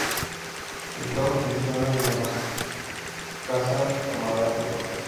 El Juzgado funciona en una casa tomada en locación.